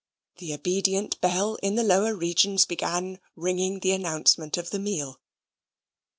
The obedient bell in the lower regions began ringing the announcement of the meal.